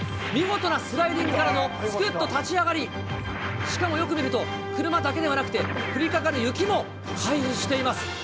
見事なスライディングからの、すくっと立ち上がり、しかもよく見ると、車だけではなくて、降りかかる雪も回避しています。